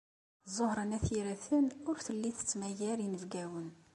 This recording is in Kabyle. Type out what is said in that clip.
Ẓuhṛa n At Yiraten ur telli tettmagar inebgawen.